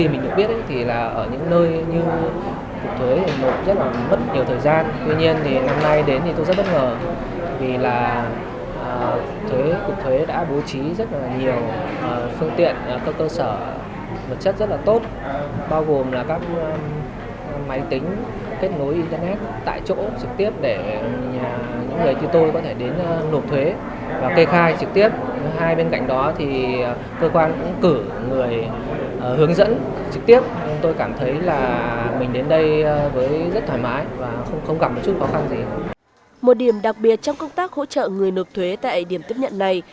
một điểm đặc biệt trong công tác hỗ trợ người nộp thuế tại điểm tiếp nhận này